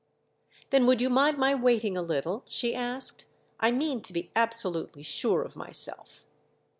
"Then would you mind my waiting a little?" she asked. "I mean to be absolutely sure of myself."